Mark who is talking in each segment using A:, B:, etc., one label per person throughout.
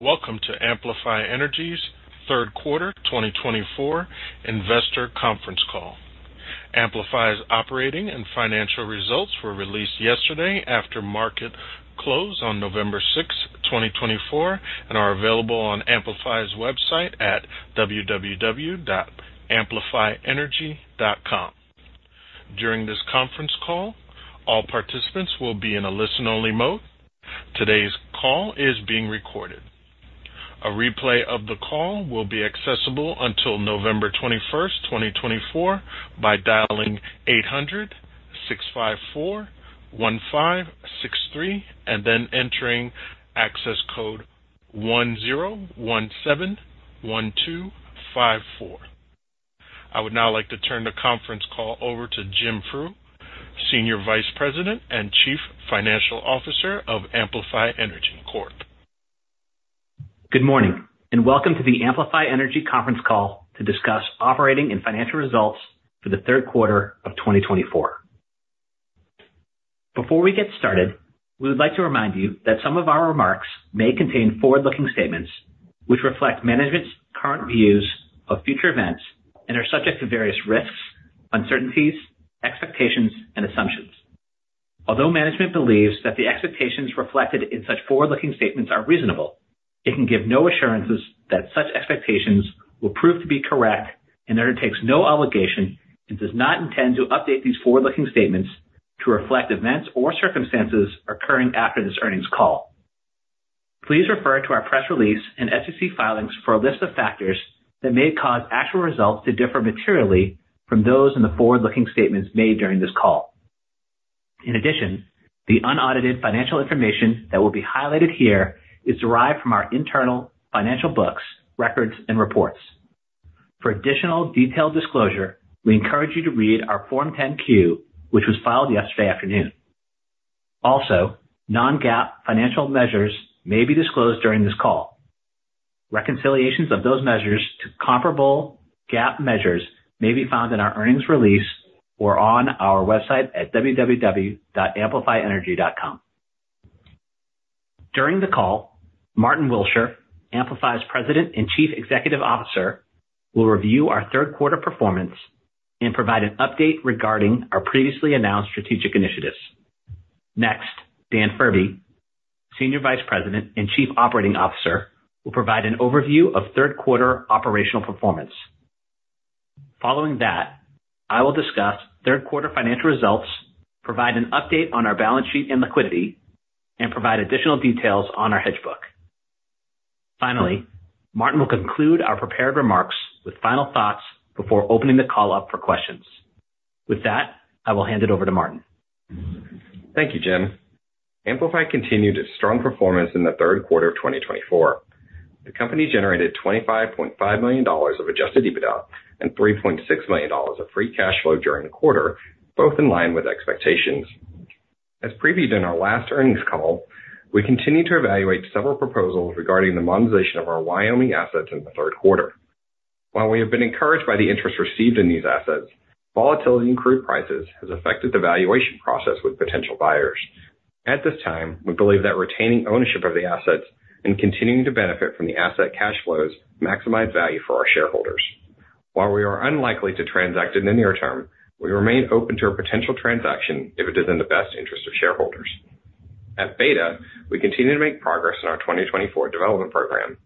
A: Welcome to Amplify Energy's third quarter, 2024, investor conference call. Amplify's operating and financial results were released yesterday after market close on November 6, 2024, and are available on Amplify's website at www.amplifyenergy.com. During this conference call, all participants will be in a listen-only mode. Today's call is being recorded. A replay of the call will be accessible until November 21, 2024, by dialing 800-654-1563 and then entering access code 10171254. I would now like to turn the conference call over to Jim Frew, Senior Vice President and Chief Financial Officer of Amplify Energy Corp.
B: Good morning, and welcome to the Amplify Energy conference call to discuss operating and financial results for the third quarter of 2024. Before we get started, we would like to remind you that some of our remarks may contain forward-looking statements which reflect management's current views of future events and are subject to various risks, uncertainties, expectations, and assumptions. Although management believes that the expectations reflected in such forward-looking statements are reasonable, it can give no assurances that such expectations will prove to be correct and undertakes no obligation and does not intend to update these forward-looking statements to reflect events or circumstances occurring after this earnings call. Please refer to our press release and SEC filings for a list of factors that may cause actual results to differ materially from those in the forward-looking statements made during this call. In addition, the unaudited financial information that will be highlighted here is derived from our internal financial books, records, and reports. For additional detailed disclosure, we encourage you to read our Form 10-Q, which was filed yesterday afternoon. Also, non-GAAP financial measures may be disclosed during this call. Reconciliations of those measures to comparable GAAP measures may be found in our earnings release or on our website at www.amplifyenergy.com. During the call, Martyn Willsher, Amplify's President and Chief Executive Officer, will review our third-quarter performance and provide an update regarding our previously announced strategic initiatives. Next, Dan Furbee, Senior Vice President and Chief Operating Officer, will provide an overview of third-quarter operational performance. Following that, I will discuss third-quarter financial results, provide an update on our balance sheet and liquidity, and provide additional details on our hedge book. Finally, Martyn will conclude our prepared remarks with final thoughts before opening the call up for questions. With that, I will hand it over to Martyn.
C: Thank you, Jim. Amplify continued its strong performance in the third quarter of 2024. The company generated $25.5 million of Adjusted EBITDA and $3.6 million of Free Cash Flow during the quarter, both in line with expectations. As previewed in our last earnings call, we continue to evaluate several proposals regarding the monetization of our Wyoming assets in the third quarter. While we have been encouraged by the interest received in these assets, volatility in crude prices has affected the valuation process with potential buyers. At this time, we believe that retaining ownership of the assets and continuing to benefit from the asset cash flows maximize value for our shareholders. While we are unlikely to transact in the near term, we remain open to a potential transaction if it is in the best interest of shareholders. At Beta, we continue to make progress in our 2024 development program.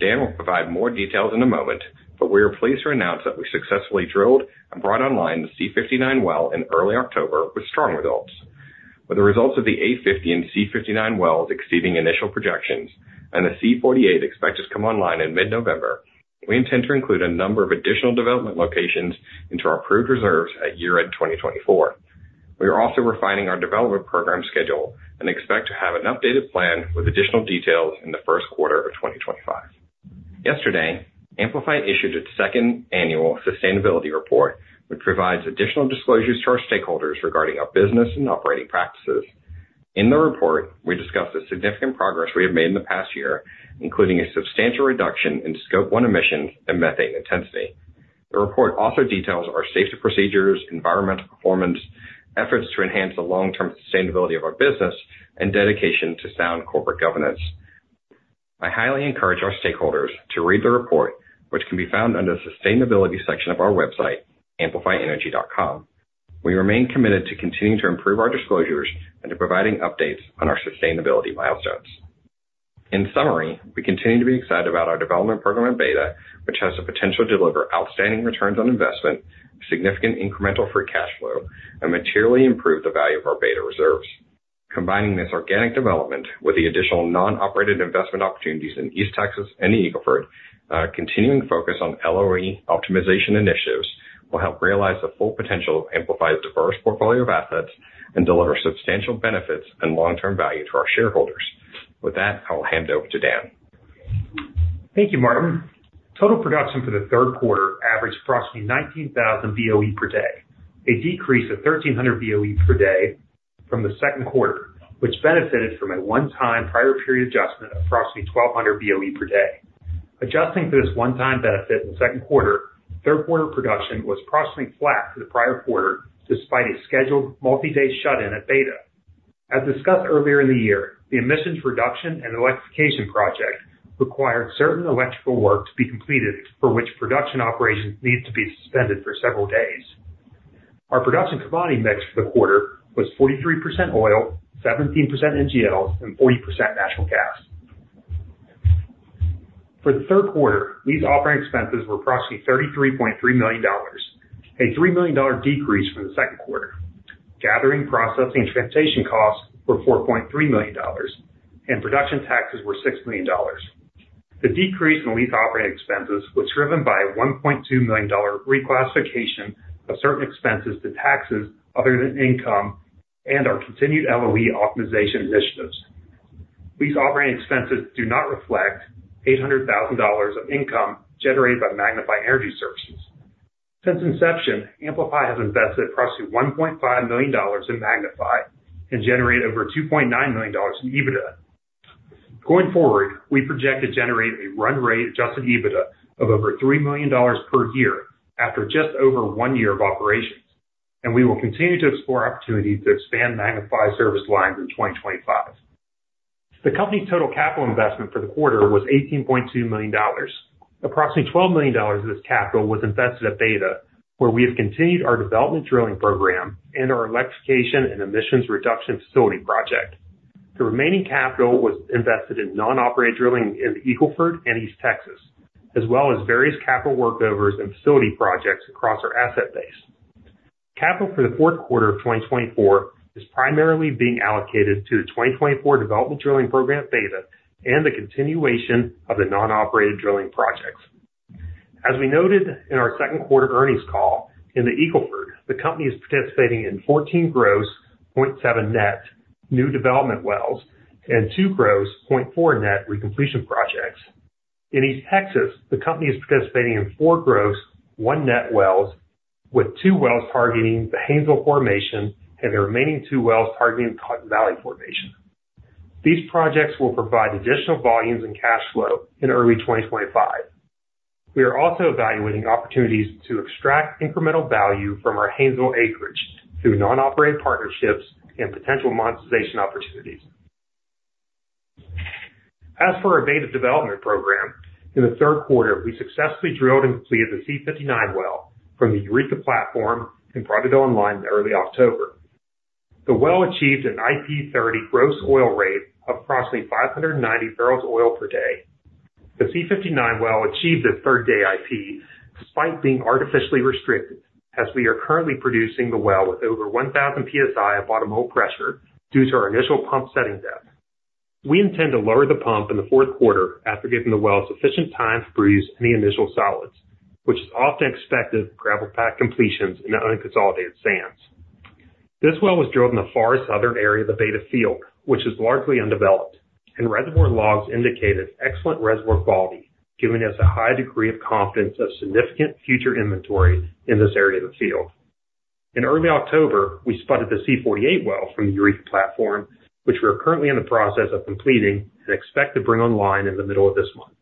C: Dan will provide more details in a moment, but we are pleased to announce that we successfully drilled and brought online the C-59 well in early October with strong results. With the results of the A-50 and C-59 wells exceeding initial projections and the C-48 expected to come online in mid-November, we intend to include a number of additional development locations into our proved reserves at year-end 2024. We are also refining our development program schedule and expect to have an updated plan with additional details in the first quarter of 2025. Yesterday, Amplify issued its second annual sustainability report, which provides additional disclosures to our stakeholders regarding our business and operating practices. In the report, we discuss the significant progress we have made in the past year, including a substantial reduction in Scope 1 emissions and methane intensity. The report also details our safety procedures, environmental performance, efforts to enhance the long-term sustainability of our business, and dedication to sound corporate governance. I highly encourage our stakeholders to read the report, which can be found under the sustainability section of our website, amplifyenergy.com. We remain committed to continuing to improve our disclosures and to providing updates on our sustainability milestones. In summary, we continue to be excited about our development program at Beta, which has the potential to deliver outstanding returns on investment, significant incremental free cash flow, and materially improve the value of our Beta reserves. Combining this organic development with the additional non-operated investment opportunities in East Texas and Eagle Ford, our continuing focus on LOE optimization initiatives will help realize the full potential of Amplify's diverse portfolio of assets and deliver substantial benefits and long-term value to our shareholders. With that, I will hand it over to Dan.
D: Thank you, Martyn. Total production for the third quarter averaged approximately 19,000 BOE per day, a decrease of 1,300 BOE per day from the second quarter, which benefited from a one-time prior period adjustment of approximately 1,200 BOE per day. Adjusting for this one-time benefit in the second quarter, third-quarter production was approximately flat for the prior quarter despite a scheduled multi-day shut-in at Beta. As discussed earlier in the year, the emissions reduction and electrification project required certain electrical work to be completed, for which production operations needed to be suspended for several days. Our production commodity mix for the quarter was 43% oil, 17% NGLs, and 40% natural gas. For the third quarter, lease operating expenses were approximately $33.3 million, a $3 million decrease from the second quarter. Gathering, processing, and transportation costs were $4.3 million, and production taxes were $6 million. The decrease in lease operating expenses was driven by a $1.2 million reclassification of certain expenses to taxes other than income and our continued LOE optimization initiatives. These operating expenses do not reflect $800,000 of income generated by Magnify Energy Services. Since inception, Amplify has invested approximately $1.5 million in Magnify and generated over $2.9 million in EBITDA. Going forward, we project to generate a run-rate adjusted EBITDA of over $3 million per year after just over one year of operations, and we will continue to explore opportunities to expand Magnify service lines in 2025. The company's total capital investment for the quarter was $18.2 million. Approximately $12 million of this capital was invested at Beta, where we have continued our development drilling program and our electrification and emissions reduction facility project. The remaining capital was invested in non-operated drilling in Eagle Ford and East Texas, as well as various capital workovers and facility projects across our asset base. Capital for the fourth quarter of 2024 is primarily being allocated to the 2024 development drilling program at Beta and the continuation of the non-operated drilling projects. As we noted in our second quarter earnings call, in the Eagle Ford, the company is participating in 14 gross, 0.7 net new development wells and two gross, 0.4 net recompletion projects. In East Texas, the company is participating in four gross, one net wells, with two wells targeting the Haynesville formation and the remaining two wells targeting the Cotton Valley formation. These projects will provide additional volumes and cash flow in early 2025. We are also evaluating opportunities to extract incremental value from our Haynesville acreage through non-operated partnerships and potential monetization opportunities. As for our Beta development program, in the third quarter, we successfully drilled and completed the C-59 well from the Eureka platform and brought it online in early October. The well achieved an IP30 gross oil rate of approximately 590 barrels of oil per day. The C-59 well achieved a third-day IP despite being artificially restricted, as we are currently producing the well with over 1,000 PSI of tubing pressure due to our initial pump setting depth. We intend to lower the pump in the fourth quarter after giving the well sufficient time to freeze any initial solids, which is often expected with gravel-packed completions in the unconsolidated sands. This well was drilled in the far southern area of the Beta field, which is largely undeveloped, and reservoir logs indicated excellent reservoir quality, giving us a high degree of confidence of significant future inventory in this area of the field. In early October, we spotted the C-48 well from the Eureka platform, which we are currently in the process of completing and expect to bring online in the middle of this month.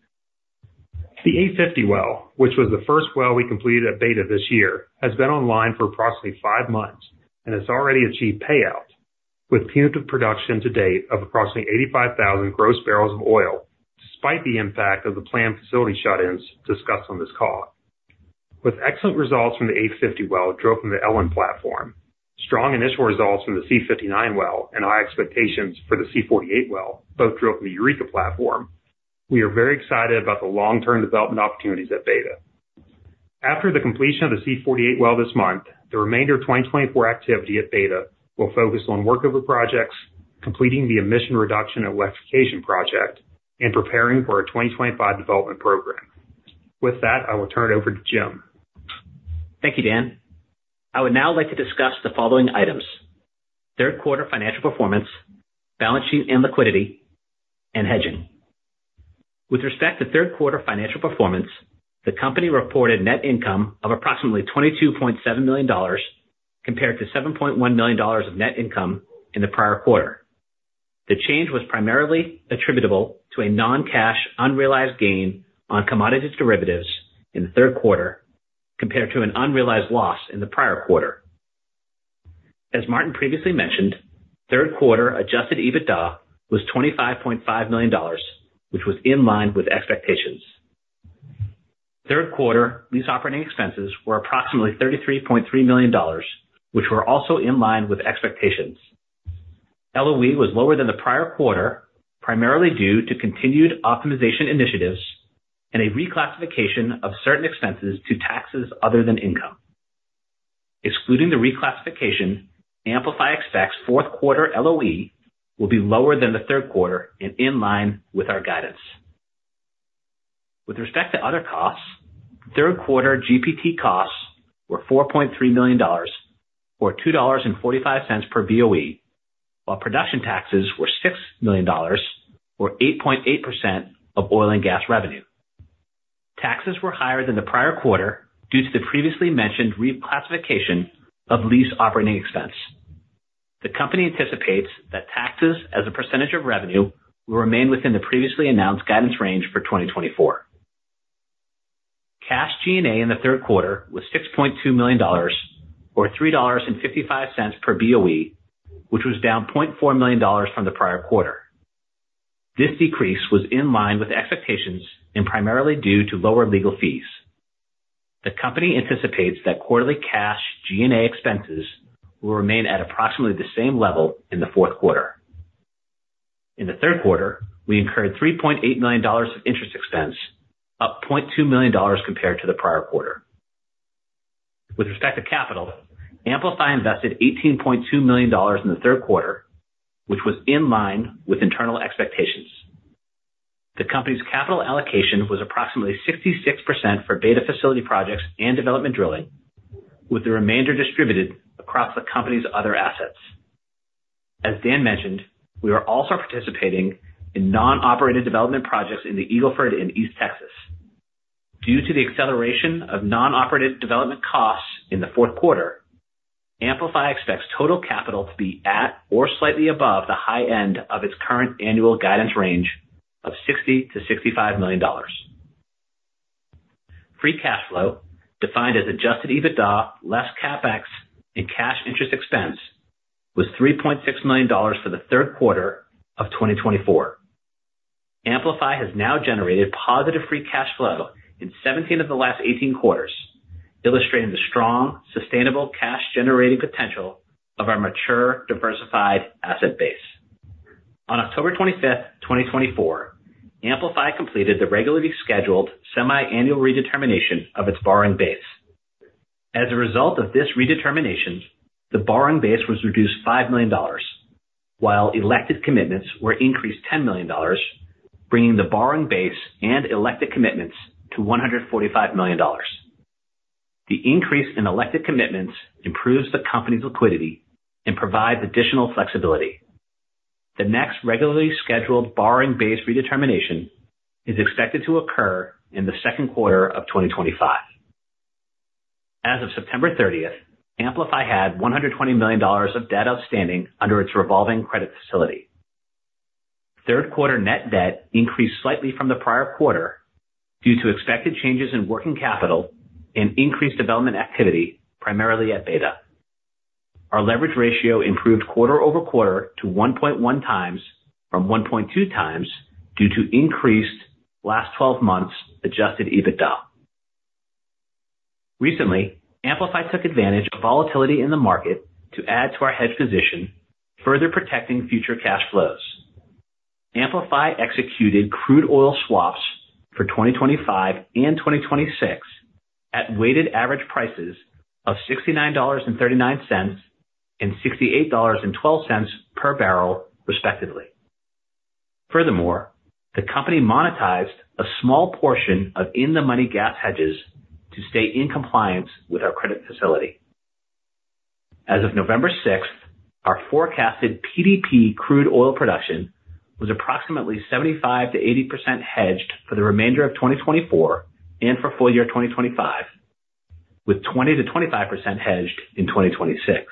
D: The A-50 well, which was the first well we completed at Beta this year, has been online for approximately five months and has already achieved payout, with cumulative production to date of approximately 85,000 gross barrels of oil, despite the impact of the planned facility shut-ins discussed on this call. With excellent results from the A-50 well drilled from the Ellen platform, strong initial results from the C-59 well, and high expectations for the C-48 well, both drilled from the Eureka platform, we are very excited about the long-term development opportunities at Beta. After the completion of the C-48 well this month, the remainder of 2024 activity at Beta will focus on workover projects, completing the emission reduction and electrification project, and preparing for our 2025 development program. With that, I will turn it over to Jim.
B: Thank you, Dan. I would now like to discuss the following items: third-quarter financial performance, balance sheet and liquidity, and hedging. With respect to third-quarter financial performance, the company reported net income of approximately $22.7 million compared to $7.1 million of net income in the prior quarter. The change was primarily attributable to a non-cash unrealized gain on commodities derivatives in the third quarter compared to an unrealized loss in the prior quarter. As Martyn previously mentioned, third-quarter Adjusted EBITDA was $25.5 million, which was in line with expectations. Third-quarter lease operating expenses were approximately $33.3 million, which were also in line with expectations. LOE was lower than the prior quarter, primarily due to continued optimization initiatives and a reclassification of certain expenses to taxes other than income. Excluding the reclassification, Amplify expects fourth-quarter LOE will be lower than the third quarter and in line with our guidance. With respect to other costs, third-quarter GPT costs were $4.3 million, or $2.45 per BOE, while production taxes were $6 million, or 8.8% of oil and gas revenue. Taxes were higher than the prior quarter due to the previously mentioned reclassification of lease operating expense. The company anticipates that taxes as a percentage of revenue will remain within the previously announced guidance range for 2024. Cash G&A in the third quarter was $6.2 million, or $3.55 per BOE, which was down $0.4 million from the prior quarter. This decrease was in line with expectations and primarily due to lower legal fees. The company anticipates that quarterly cash G&A expenses will remain at approximately the same level in the fourth quarter. In the third quarter, we incurred $3.8 million of interest expense, up $0.2 million compared to the prior quarter. With respect to capital, Amplify invested $18.2 million in the third quarter, which was in line with internal expectations. The company's capital allocation was approximately 66% for Beta facility projects and development drilling, with the remainder distributed across the company's other assets. As Dan mentioned, we are also participating in non-operated development projects in the Eagle Ford and East Texas. Due to the acceleration of non-operated development costs in the fourth quarter, Amplify expects total capital to be at or slightly above the high end of its current annual guidance range of $60-$65 million. Free cash flow, defined as Adjusted EBITDA less CapEx and cash interest expense, was $3.6 million for the third quarter of 2024. Amplify has now generated positive free cash flow in 17 of the last 18 quarters, illustrating the strong, sustainable cash-generating potential of our mature, diversified asset base. On October 25, 2024, Amplify completed the regularly scheduled semi-annual redetermination of its borrowing base. As a result of this redetermination, the borrowing base was reduced $5 million, while elected commitments were increased $10 million, bringing the borrowing base and elected commitments to $145 million. The increase in elected commitments improves the company's liquidity and provides additional flexibility. The next regularly scheduled borrowing base redetermination is expected to occur in the second quarter of 2025. As of September 30, Amplify had $120 million of debt outstanding under its revolving credit facility. Third-quarter net debt increased slightly from the prior quarter due to expected changes in working capital and increased development activity, primarily at Beta. Our leverage ratio improved quarter over quarter to 1.1 times from 1.2 times due to increased last 12 months Adjusted EBITDA. Recently, Amplify took advantage of volatility in the market to add to our hedge position, further protecting future cash flows. Amplify executed crude oil swaps for 2025 and 2026 at weighted average prices of $69.39 and $68.12 per barrel, respectively. Furthermore, the company monetized a small portion of in-the-money gas hedges to stay in compliance with our credit facility. As of November 6, our forecasted PDP crude oil production was approximately 75%-80% hedged for the remainder of 2024 and for full year 2025, with 20%-25% hedged in 2026.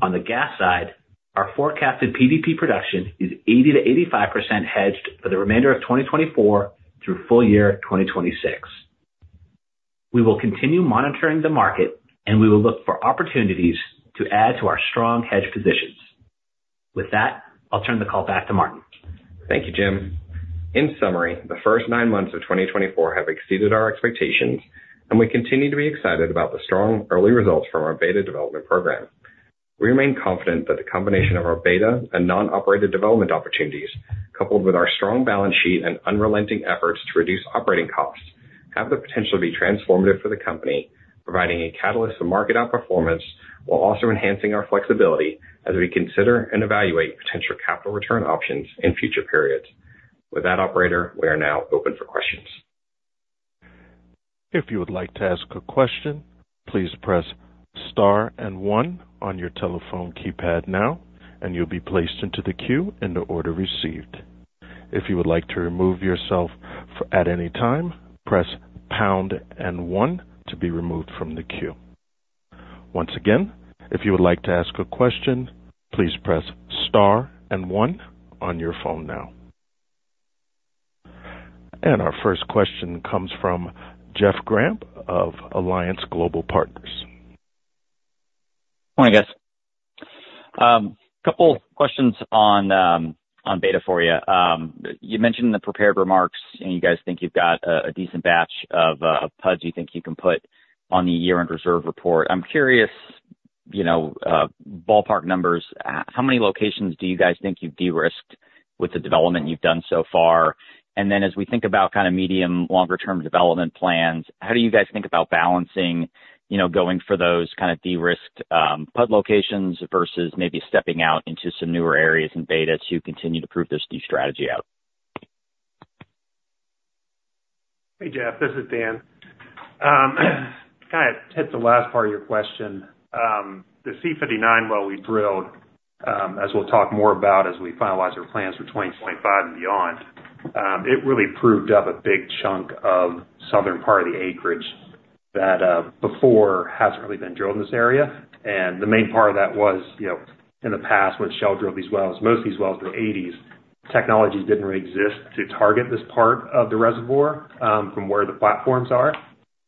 B: On the gas side, our forecasted PDP production is 80%-85% hedged for the remainder of 2024 through full year 2026. We will continue monitoring the market, and we will look for opportunities to add to our strong hedge positions. With that, I'll turn the call back to Martyn.
C: Thank you, Jim. In summary, the first nine months of 2024 have exceeded our expectations, and we continue to be excited about the strong early results from our Beta development program. We remain confident that the combination of our Beta and non-operated development opportunities, coupled with our strong balance sheet and unrelenting efforts to reduce operating costs, have the potential to be transformative for the company, providing a catalyst for market outperformance while also enhancing our flexibility as we consider and evaluate potential capital return options in future periods. With that, Operator, we are now open for questions.
A: If you would like to ask a question, please press star and one on your telephone keypad now, and you'll be placed into the queue in the order received. If you would like to remove yourself at any time, press pound and one to be removed from the queue. Once again, if you would like to ask a question, please press star and one on your phone now, and our first question comes from Jeff Gramp of Alliance Global Partners.
E: Morning, guys. A couple of questions on Beta for you. You mentioned in the prepared remarks you guys think you've got a decent batch of PUDs you think you can put on the year-end reserve report. I'm curious, ballpark numbers, how many locations do you guys think you've de-risked with the development you've done so far? And then as we think about kind of medium-longer-term development plans, how do you guys think about balancing going for those kind of de-risked PUD locations versus maybe stepping out into some newer areas in Beta to continue to prove this new strategy out?
D: Hey, Jeff, this is Dan. Kind of hit the last part of your question. The C-59 well we drilled, as we'll talk more about as we finalize our plans for 2025 and beyond, it really proved up a big chunk of southern part of the acreage that before hasn't really been drilled in this area. And the main part of that was in the past when Shell drilled these wells, most of these wells in the '80s, technology didn't really exist to target this part of the reservoir from where the platforms are.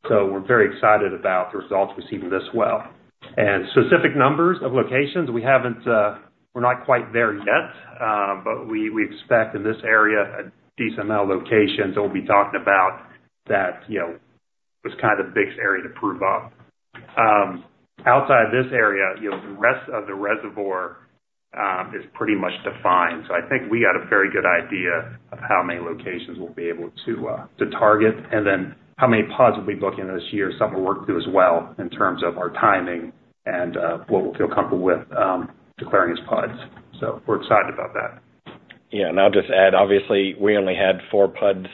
D: So we're very excited about the results we've seen with this well. And specific numbers of locations, we're not quite there yet, but we expect in this area a decent amount of locations, and we'll be talking about that was kind of the biggest area to prove up. Outside of this area, the rest of the reservoir is pretty much defined. So I think we got a very good idea of how many locations we'll be able to target, and then how many PUDs we'll be booking this year, something we'll work through as well in terms of our timing and what we'll feel comfortable with declaring as PUDs. So we're excited about that.
C: Yeah, and I'll just add, obviously, we only had four PUDs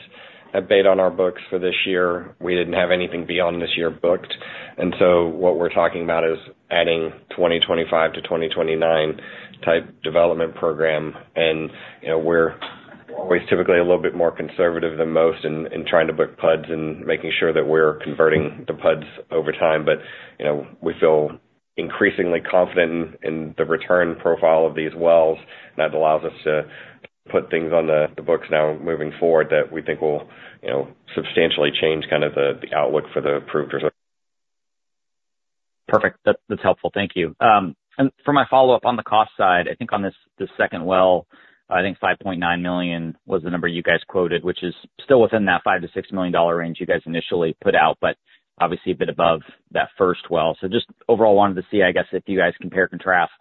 C: at Beta on our books for this year. We didn't have anything beyond this year booked. And so what we're talking about is adding 2025 to 2029 type development program. And we're always typically a little bit more conservative than most in trying to book PUDs and making sure that we're converting the PUDs over time. But we feel increasingly confident in the return profile of these wells, and that allows us to put things on the books now moving forward that we think will substantially change kind of the outlook for the approved reservoir.
E: Perfect. That's helpful. Thank you. And for my follow-up on the cost side, I think on this second well, I think $5.9 million was the number you guys quoted, which is still within that $5-$6 million range you guys initially put out, but obviously a bit above that first well. So just overall, wanted to see, I guess, if you guys compare and contrast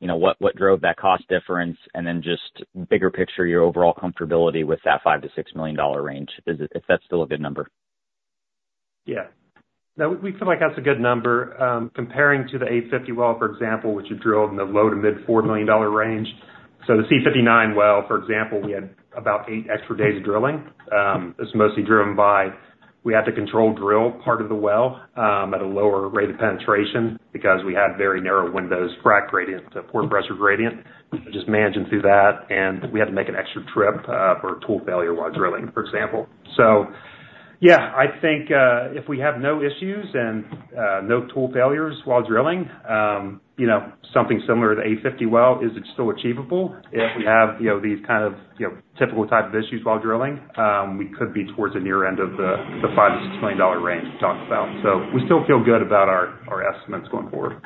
E: what drove that cost difference, and then just bigger picture, your overall comfortability with that $5-$6 million range, if that's still a good number.
D: Yeah. No, we feel like that's a good number. Comparing to the A-50 well, for example, which you drilled in the low to mid $4 million range, so the C-59 well, for example, we had about eight extra days of drilling. It's mostly driven by we had to control drill part of the well at a lower rate of penetration because we had very narrow windows, fracture gradient to pore pressure gradient, just managing through that. And we had to make an extra trip for a tool failure while drilling, for example. So yeah, I think if we have no issues and no tool failures while drilling, something similar to the A-50 well, is it still achievable? If we have these kind of typical type of issues while drilling, we could be towards the near end of the $5-$6 million range we talked about. So we still feel good about our estimates going forward.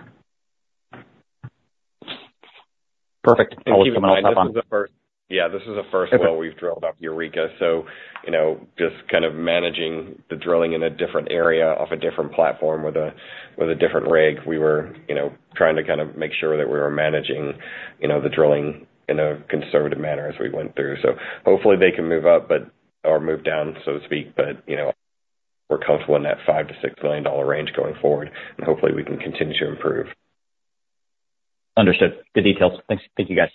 E: Perfect. Always coming off top on.
C: Yeah, this is the first well we've drilled up Eureka. So just kind of managing the drilling in a different area off a different platform with a different rig, we were trying to kind of make sure that we were managing the drilling in a conservative manner as we went through. So hopefully they can move up or move down, so to speak, but we're comfortable in that $5-$6 million range going forward, and hopefully we can continue to improve.
E: Understood. Good details. Thank you, guys.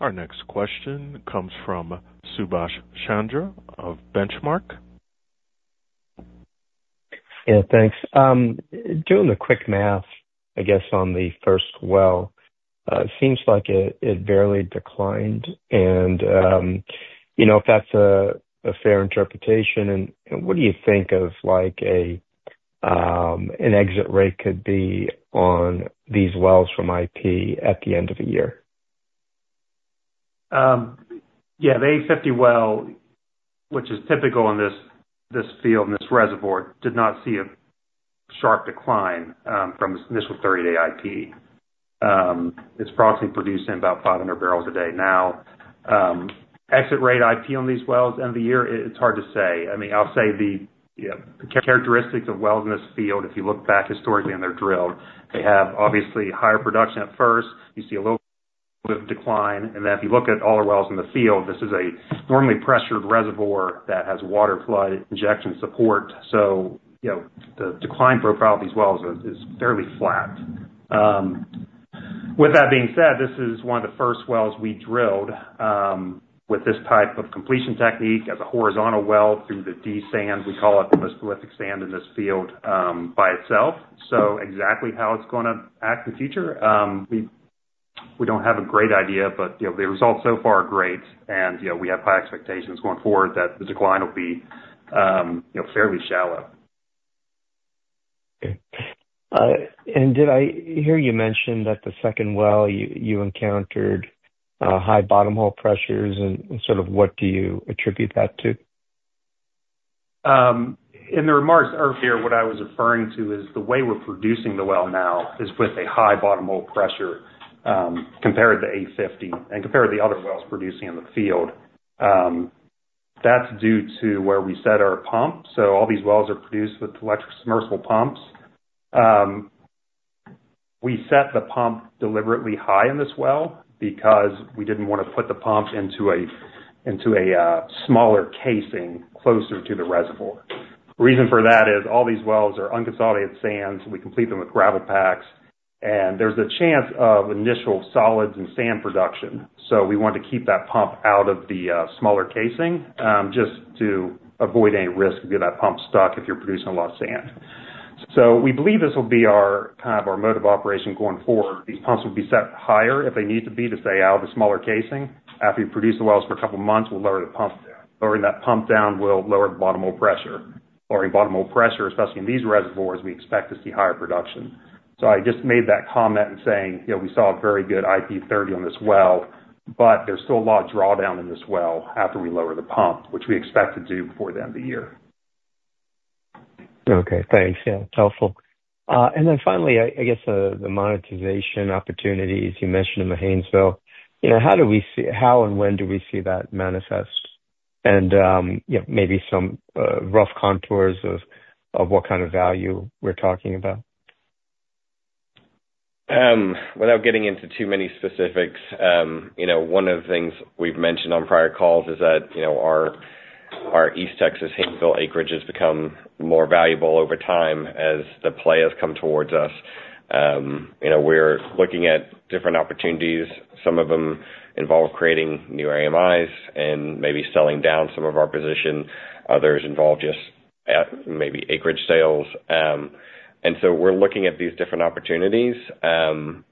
A: Our next question comes from Subhash Chandra of Benchmark.
F: Yeah, thanks. Doing the quick math, I guess, on the first well, it seems like it barely declined. And if that's a fair interpretation, what do you think of an exit rate could be on these wells from IP at the end of the year?
D: Yeah, the A-50 Well, which is typical in this field and this reservoir, did not see a sharp decline from its initial 30-day IP. It's approximately producing about 500 barrels a day now. Exit rate IP on these wells at the end of the year, it's hard to say. I mean, I'll say the characteristics of wells in this field, if you look back historically and they're drilled, they have obviously higher production at first. You see a little bit of decline. And then if you look at all our wells in the field, this is a normally pressured reservoir that has water flood injection support. So the decline profile of these wells is fairly flat. With that being said, this is one of the first wells we drilled with this type of completion technique as a horizontal well through the D sand. We call it the most prolific sand in this field by itself. So exactly how it's going to act in the future, we don't have a great idea, but the results so far are great, and we have high expectations going forward that the decline will be fairly shallow.
F: Okay, and did I hear you mention that the second well, you encountered high bottom hole pressures, and sort of what do you attribute that to?
D: In the remarks earlier, what I was referring to is the way we're producing the well now is with a high bottom hole pressure compared to A-50 and compared to the other wells producing in the field. That's due to where we set our pump. So all these wells are produced with electric submersible pumps. We set the pump deliberately high in this well because we didn't want to put the pump into a smaller casing closer to the reservoir. The reason for that is all these wells are unconsolidated sand. We complete them with gravel packs, and there's a chance of initial solids and sand production. So we want to keep that pump out of the smaller casing just to avoid any risk of getting that pump stuck if you're producing a lot of sand. So we believe this will be kind of our mode of operation going forward. These pumps will be set higher if they need to be to stay out of the smaller casing. After you produce the wells for a couple of months, we'll lower the pump down. Lowering that pump down will lower the bottom hole pressure. Lowering bottom hole pressure, especially in these reservoirs, we expect to see higher production, so I just made that comment in saying we saw a very good IP30 on this well, but there's still a lot of drawdown in this well after we lower the pump, which we expect to do before the end of the year.
F: Okay. Thanks. Yeah, it's helpful. And then finally, I guess the monetization opportunities you mentioned in the Haynesville, how do we see how and when do we see that manifest? And maybe some rough contours of what kind of value we're talking about?
C: Without getting into too many specifics, one of the things we've mentioned on prior calls is that our East Texas Haynesville acreage has become more valuable over time as the play has come towards us. We're looking at different opportunities. Some of them involve creating new AMIs and maybe selling down some of our position. Others involve just maybe acreage sales. And so we're looking at these different opportunities, and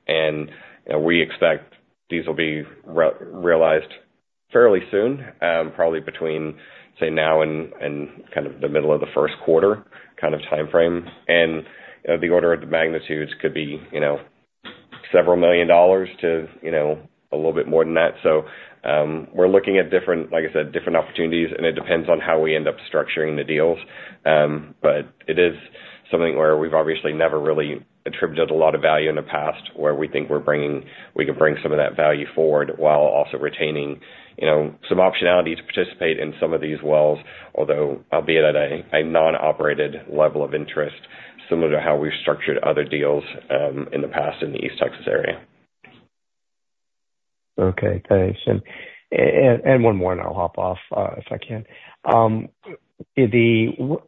C: we expect these will be realized fairly soon, probably between, say, now and kind of the middle of the first quarter kind of time frame. And the order of the magnitudes could be several million dollars to a little bit more than that. So we're looking at, like I said, different opportunities, and it depends on how we end up structuring the deals. But it is something where we've obviously never really attributed a lot of value in the past where we think we can bring some of that value forward while also retaining some optionality to participate in some of these wells, although albeit at a non-operated level of interest, similar to how we've structured other deals in the past in the East Texas area.
F: Okay. Thanks. And one more, and I'll hop off if I can.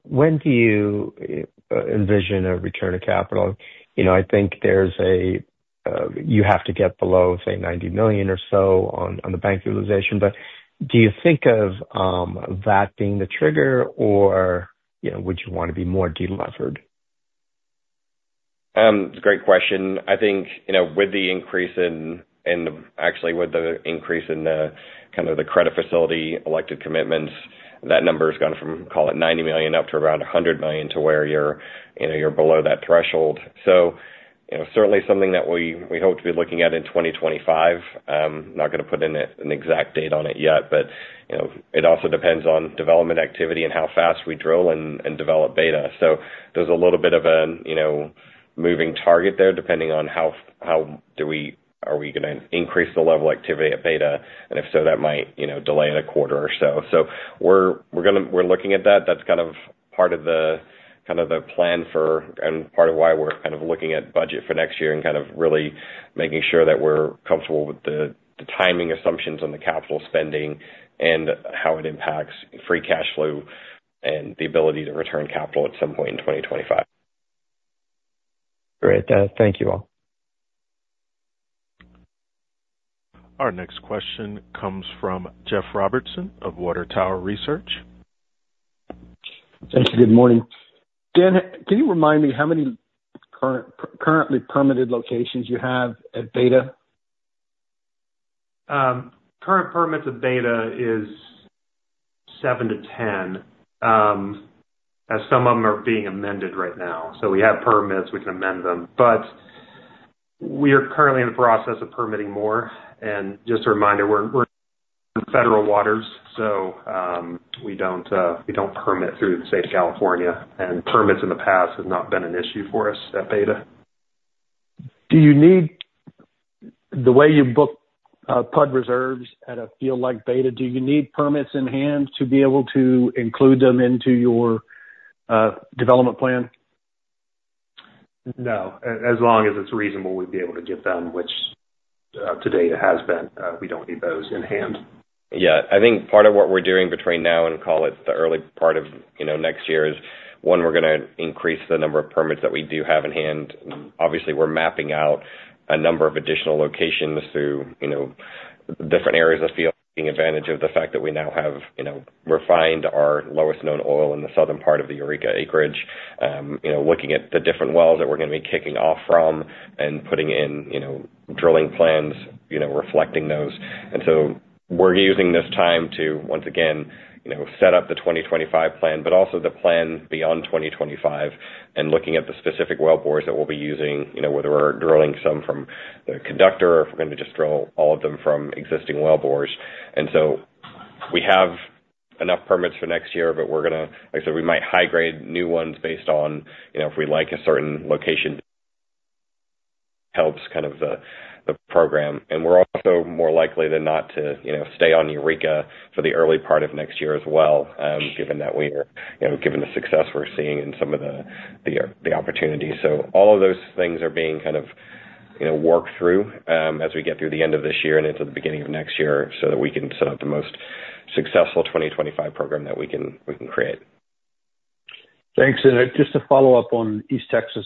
F: When do you envision a return of capital? I think you have to get below, say, $90 million or so on the bank utilization. But do you think of that being the trigger, or would you want to be more delevered?
C: It's a great question. I think with the increase in actually, with the increase in kind of the credit facility elective commitments, that number has gone from, call it $90 million up to around $100 million to where you're below that threshold. So certainly something that we hope to be looking at in 2025. I'm not going to put in an exact date on it yet, but it also depends on development activity and how fast we drill and develop Beta. So there's a little bit of a moving target there depending on how are we going to increase the level of activity at Beta. And if so, that might delay in a quarter or so. So we're looking at that. That's kind of part of the plan, and part of why we're kind of looking at budget for next year and kind of really making sure that we're comfortable with the timing assumptions on the capital spending and how it impacts free cash flow and the ability to return capital at some point in 2025.
F: Great. Thank you all.
A: Our next question comes from Jeff Robertson of Water Tower Research.
G: Thank you. Good morning. Dan, can you remind me how many currently permitted locations you have at Beta?
D: Current permits at Beta is seven to 10, as some of them are being amended right now. So we have permits. We can amend them. But we are currently in the process of permitting more. And just a reminder, we're in federal waters, so we don't permit through the state of California. And permits in the past have not been an issue for us at Beta.
G: Do you need the way you book PUD reserves at a field like Beta? Do you need permits in hand to be able to include them into your development plan?
D: No. As long as it's reasonable, we'd be able to give them, which to date it has been. We don't need those in hand.
C: Yeah. I think part of what we're doing between now and, call it, the early part of next year is, one, we're going to increase the number of permits that we do have in hand. Obviously, we're mapping out a number of additional locations through different areas of the field, taking advantage of the fact that we now have refined our lowest known oil in the southern part of the Eureka acreage, looking at the different wells that we're going to be kicking off from and putting in drilling plans, reflecting those. And so we're using this time to, once again, set up the 2025 plan, but also the plan beyond 2025, and looking at the specific well bores that we'll be using, whether we're drilling some from the conductor or if we're going to just drill all of them from existing well bores. And so we have enough permits for next year, but we're going to, like I said, we might high-grade new ones based on if we like a certain location helps kind of the program. And we're also more likely than not to stay on Eureka for the early part of next year as well, given that we are given the success we're seeing in some of the opportunities. So all of those things are being kind of worked through as we get through the end of this year and into the beginning of next year so that we can set up the most successful 2025 program that we can create.
F: Thanks. And just to follow up on East Texas,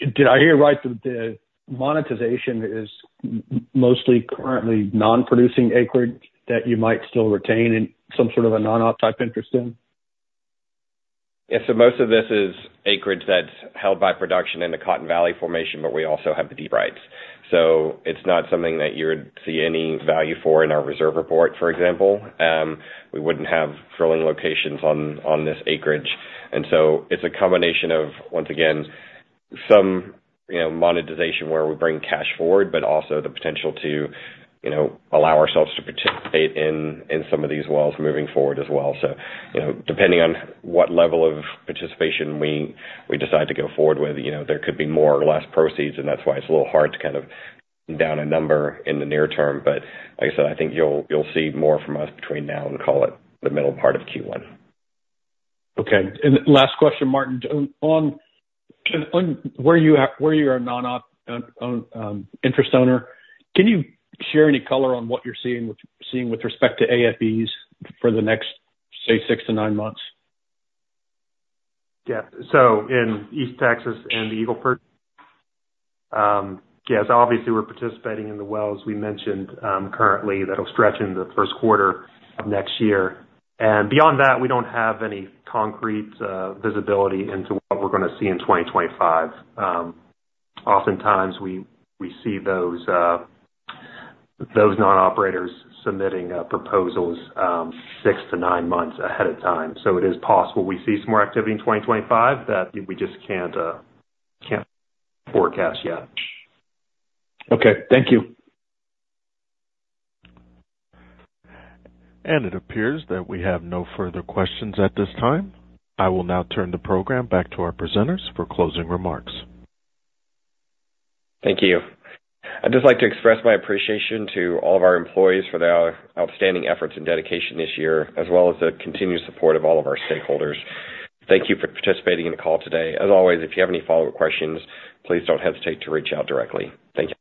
F: did I hear right that the monetization is mostly currently non-producing acreage that you might still retain in some sort of a non-op type interest in?
C: Yeah. So most of this is acreage that's held by production in the Cotton Valley Formation, but we also have the deep rights. So it's not something that you would see any value for in our reserve report, for example. We wouldn't have drilling locations on this acreage. And so it's a combination of, once again, some monetization where we bring cash forward, but also the potential to allow ourselves to participate in some of these wells moving forward as well. So depending on what level of participation we decide to go forward with, there could be more or less proceeds, and that's why it's a little hard to kind of pin down a number in the near term. But like I said, I think you'll see more from us between now and, call it, the middle part of Q1.
G: Okay. And last question, Martyn, on where you are a non-op interest owner, can you share any color on what you're seeing with respect to AFEs for the next, say, six to nine months?
D: Yeah, so in East Texas and the Eagle Ford, yes, obviously, we're participating in the wells we mentioned currently that will stretch into the first quarter of next year, and beyond that, we don't have any concrete visibility into what we're going to see in 2025. Oftentimes, we see those non-operators submitting proposals six to nine months ahead of time, so it is possible we see some more activity in 2025 that we just can't forecast yet.
G: Okay. Thank you.
A: It appears that we have no further questions at this time. I will now turn the program back to our presenters for closing remarks.
C: Thank you. I'd just like to express my appreciation to all of our employees for their outstanding efforts and dedication this year, as well as the continued support of all of our stakeholders. Thank you for participating in the call today. As always, if you have any follow-up questions, please don't hesitate to reach out directly. Thank you.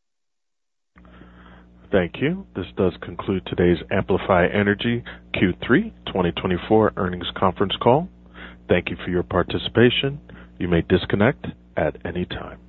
A: Thank you. This does conclude today's Amplify Energy Q3 2024 earnings conference call. Thank you for your participation. You may disconnect at any time.